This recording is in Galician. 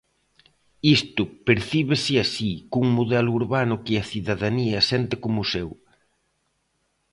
Isto percíbese así, cun modelo urbano que a cidadanía sente como seu.